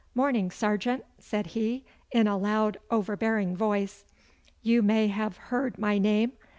'Morning, sergeant!' said he, in a loud, overbearing voice. 'You may have heard my name?